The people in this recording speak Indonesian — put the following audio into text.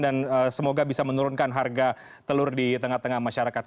dan semoga bisa menurunkan harga telur di tengah tengah masyarakat